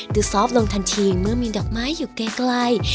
ซอฟต์ลงทันทีเมื่อมีดอกไม้อยู่ไกล